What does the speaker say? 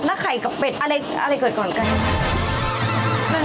แล้วไข่กับเป็ดอะไรเกิดก่อนกัน